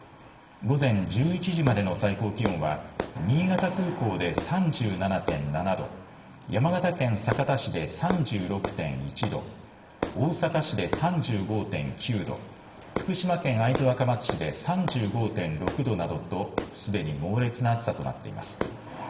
午前１１時までの最高気温は新潟空港で３７．７度、山形県酒田市で３６．１度、大阪市で３５．９度、福島県会津若松市で３５．６度などとすでに猛烈な暑さとなっています。